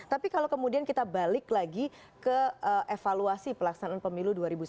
tapi kalau kemudian kita balik lagi ke evaluasi pelaksanaan pemilu dua ribu sembilan belas